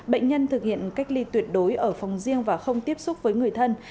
bệnh nhân thực hiện cách ly tuyệt đối ở phòng riêng và không tiếp xúc với người thân